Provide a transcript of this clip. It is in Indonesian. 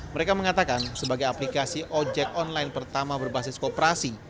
mereka mengatakan sebagai aplikasi ojek online pertama berbasis kooperasi